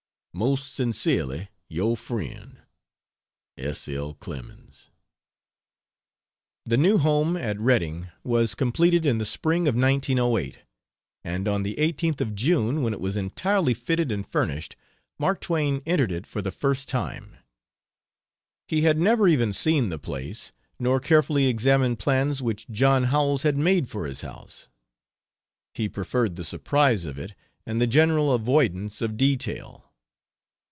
Most sincerely your friend, S. L. CLEMENS. The new home at Redding was completed in the spring of 1908, and on the 18th of June, when it was entirely fitted and furnished, Mark Twain entered it for the first time. He had never even seen the place nor carefully examined plans which John Howells had made for his house. He preferred the surprise of it, and the general avoidance of detail.